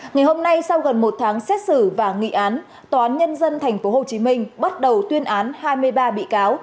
ngày hôm nay sau gần một tháng xét xử và nghị án tòa án nhân dân tp hcm bắt đầu tuyên án hai mươi ba bị cáo